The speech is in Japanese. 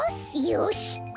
よし！